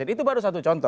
itu baru satu contoh